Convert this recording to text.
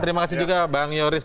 terima kasih juga bang yoris